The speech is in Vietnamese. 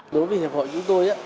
đối với hh chúng tôi